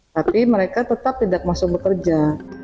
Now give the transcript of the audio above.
tapi mereka tetap tidak masuk bekerja